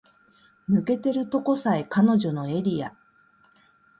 抜けてるとこさえ彼女のエリア